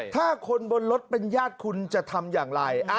ถ้าคนบนรถเป็นญาติคุณจะทำอย่างไร